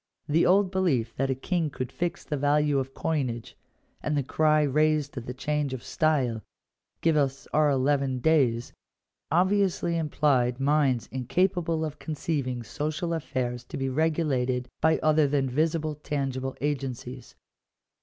The old belief that a king could fix the value of coinage, and the cry raised at the change of style —" Give us our eleven days," obviously implied minds incapable Digitized by VjOOQIC THE REGULATION OF COMMERCE. 303 of conceiving social affairs to be regulated by other than visible, tangible agencies.